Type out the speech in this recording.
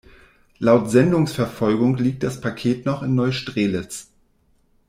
Laut Sendungsverfolgung liegt das Paket noch in Neustrelitz.